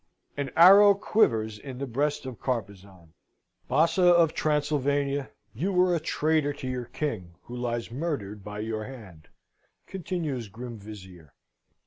An arrow quivers in the breast of Carpezan. "Bassa of Transylvania, you were a traitor to your King, who lies murdered by your hand!" continues grim Vizier.